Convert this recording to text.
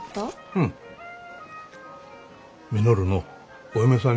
うん。